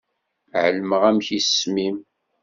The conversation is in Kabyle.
Ɛelmeɣ amek isem-im.